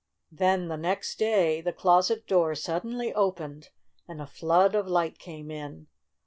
Then, the next day, the closet door sud denly opened, and a flood of light came in.